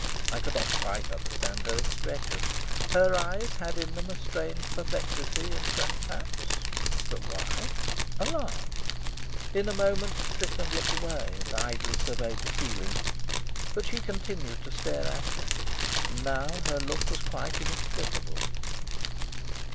I could not quite understand her expression. Her eyes had in them a strange perplexity, and perhaps but why? alarm. In a moment Strickland looked away and idly surveyed the ceiling, but she continued to stare at him, and now her look was quite inexplicable.